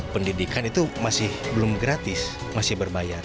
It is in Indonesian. pendidikan itu masih belum gratis masih berbayar